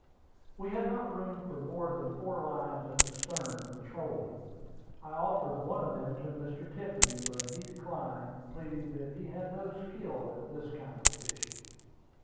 We had not room for more than four lines at the stern for trolling. I offered one of them to Mr. Tiffany; but he declined, pleading that he had no skill in this kind of fishing.